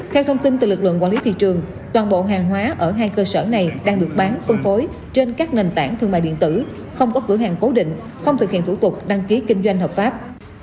theo thông tin từ lực lượng quản lý thị trường toàn bộ hàng hóa ở hai cơ sở này đang được bán phân phối trên các nền tảng thương mại điện tử không có cửa hàng cố định không thực hiện thủ tục đăng ký kinh doanh hợp pháp